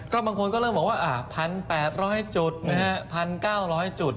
ก็บางคนก็เริ่มแบบว่า๑๘๐๐จุด๑๙๐๐จุด